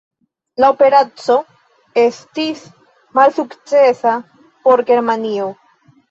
La operaco estis malsukcesa por Germanio.